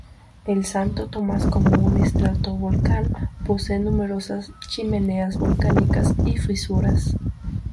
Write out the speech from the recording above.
El Santo Tomás como un estratovolcán posee numerosas chimeneas volcánicas y fisuras.